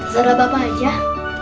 sudah bapak ajah